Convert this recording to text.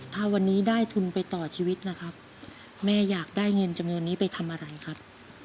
ถ้าวันนี้ได้ทุนไปต่อชีวิตนะครับแม่อยากได้เงินจำนวนนี้ไปทำอะไรครับ